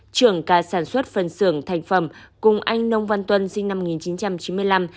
trưởng ca sản xuất phần xưởng thành phẩm cùng anh nông văn tuân sinh năm một nghìn chín trăm chín mươi năm